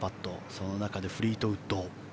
その中でフリートウッド。